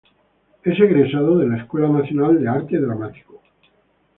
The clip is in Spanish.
Es Egresado de la Escuela Nacional de Arte Dramático.